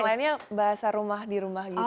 kalau yang lainnya bahasa rumah di rumah gitu